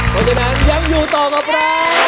เพราะฉะนั้นยังอยู่ต่อกับเรา